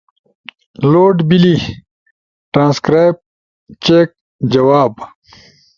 لوڈ بیلا۔۔، ٹرانسکرائیب، چیک، جواب